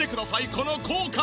この効果。